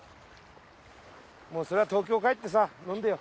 うそれは東京帰ってさ飲んでよ。